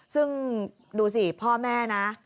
ซึ่งดูสิพ่อแม่นะ